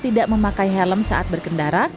tidak memakai helm saat berkendara